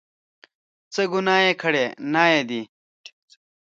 څه ګناه یې کړې، نایي دی.